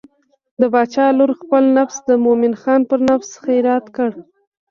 د باچا لور خپل نفس د مومن خان پر نفس خیرات کړ.